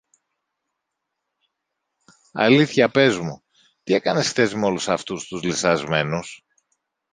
Αλήθεια, πες μου, τι έκανες χθες με όλους αυτούς τους λυσσασμένους;